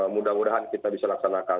mudah mudahan kita bisa laksanakan